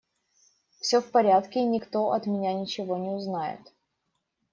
Все в порядке, и никто от меня ничего не узнает.